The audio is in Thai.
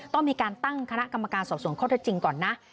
ต้องมีการตั้งคณะกรรมการสอบส่วนข้อเท็จจริงก่อนนะ